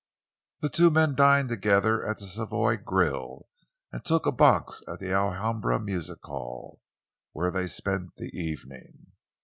The two men dined together at the Savoy grill, and took a box at the Alhambra music hall, where they spent the evening.